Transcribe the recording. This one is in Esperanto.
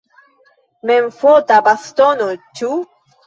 Memfota bastono, ĉu?